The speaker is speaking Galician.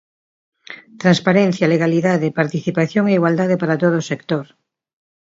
Transparencia, legalidade, participación e igualdade para todo o sector.